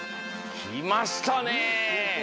きましたね。